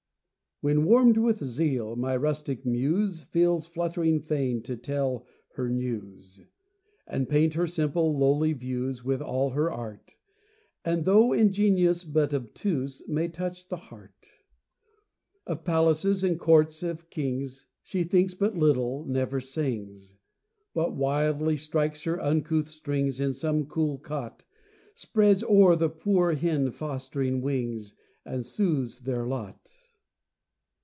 When warm'd with zeal, my rustic Muse Feels fluttering fain to tell her news, And paint her simple, lowly views With all her art, And, though in genius but obtuse, May touch the heart. Of palaces and courts of kings She thinks but little, never sings, But wildly strikes her uncouth strings In some pool cot, Spreads o'er the poor hen fostering wings, And soothes their lot.